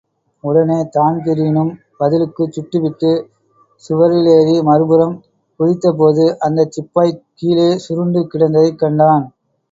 உடனே தான்பிரீனும் பதிலுக்குச் சுட்டுவிட்டுச் சுவரிலேறி மறுபுறம் குதித்தபோது அந்தச் சிப்பாப் கீழே சுருண்டு கிடந்ததைக் கண்டான்.